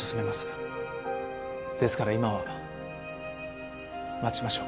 ですから今は待ちましょう。